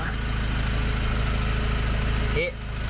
นี่